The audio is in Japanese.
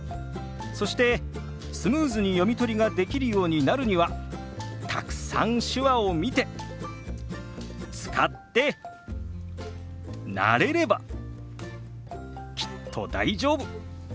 そしてスムーズに読み取りができるようになるにはたくさん手話を見て使って慣れればきっと大丈夫。